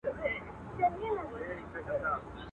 نه په ژبه پوهېدله د مېږیانو.